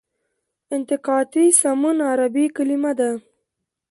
التقاطي سمون عربي کلمه ده.